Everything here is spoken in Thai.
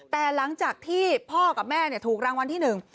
แต่หลังจากที่พ่อกับแม่เนี่ยถูกรางวัลที่หนึ่ง